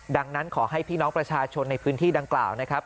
ดังนั้นขอให้พี่น้องประชาชนในพื้นที่ดังกล่าวนะครับ